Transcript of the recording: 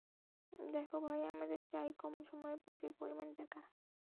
দেখো ভাই, আমাদের চাই, কম সময়ে প্রচুর পরিমাণ টাকা।